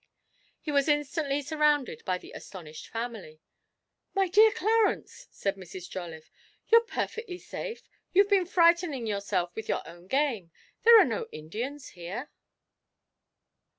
He was instantly surrounded by the astonished family. 'My dear Clarence,' said Mrs. Jolliffe, 'you're perfectly safe you've been frightening yourself with your own game. There are no Indians here.'